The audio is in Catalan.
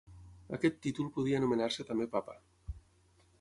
Aquest títol podia anomenar-se també Papa.